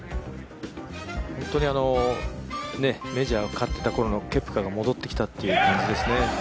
本当にメジャー勝っていたころのケプカが戻ってきたという感じですね。